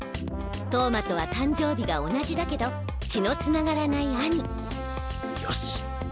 投馬とは誕生日が同じだけど血のつながらない兄よしっ。